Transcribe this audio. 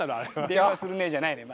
「電話するね」じゃないのよマジ。